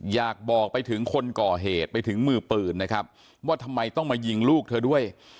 อยากบอกไปถึงคนก่อเหตุไปถึงมือปืนนะครับว่าทำไมต้องมายิงลูกเธอด้วย